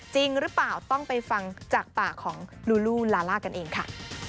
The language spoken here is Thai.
จริงหรือเปล่าต้องไปฟังจากปากของลูลูลาล่ากันเองค่ะ